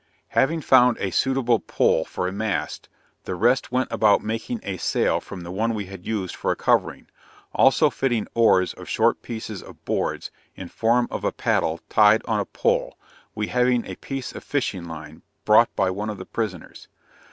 Having found a suitable pole for a mast, the rest went about making a sail from the one we had used for a covering, also fitting oars of short pieces of boards, in form of a paddle, tied on a pole, we having a piece of fishing line brought by one of the prisoners.